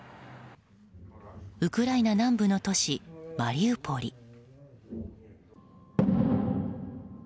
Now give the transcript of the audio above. ウクライナ南部の都市マリウポリ。